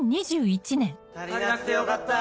たりなくてよかった。